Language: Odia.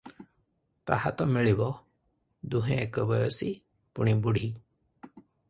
ତାହା ତ ମିଳିବ, ଦୁହେଁ ଏକ ବୟସୀ, ପୁଣି ବୁଢୀ ।